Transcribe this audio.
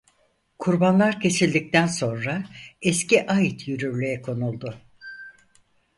Kurbanlar kesildikten sonra Eski Ahit yürürlüğe konuldu.